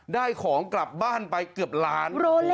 ได้ของกลับบ้านไปเกือบล้าน